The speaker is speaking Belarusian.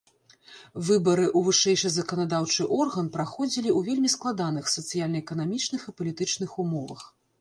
Выбары ў вышэйшы заканадаўчы орган праходзілі ў вельмі складаных сацыяльна-эканамічных і палітычных умовах.